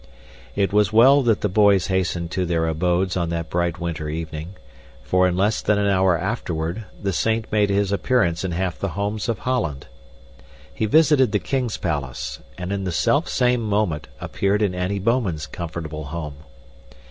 It was well that the boys hastened to their abodes on that bright winter evening, for in less than an hour afterward, the saint made his appearance in half the homes of Holland. He visited the king's palace and in the selfsame moment appeared in Annie Bouman's comfortable home.